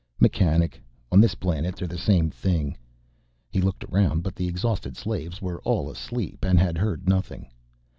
"Mechanic. On this planet they're the same thing." He looked around but the exhausted slaves were all asleep and had heard nothing.